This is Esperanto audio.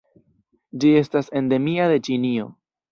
Ĝi estas endemia de Ĉinio.